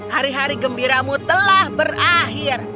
hari hari gembiramu telah berakhir